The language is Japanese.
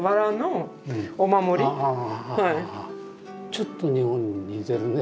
ちょっと日本に似てるね。